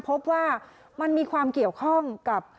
พบว่ามันมีความเกี่ยวข้องกับ